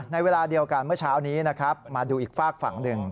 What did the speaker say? เวลาเดียวกันเมื่อเช้านี้นะครับมาดูอีกฝากฝั่งหนึ่ง